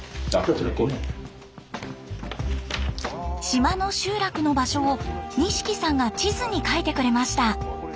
島の集落の場所を西来さんが地図に書いてくれました。